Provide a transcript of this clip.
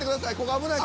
危ない。